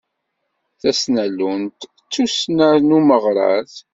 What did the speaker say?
Tasnallunt d tussna n umaɣrad.